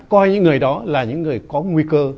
coi những người đó là những người có nguy cơ